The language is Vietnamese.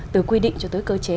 từ quy định cho tới cơ chế